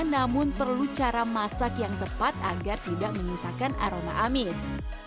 namun perlu cara masak yang tepat agar tidak menyisakan aroma amis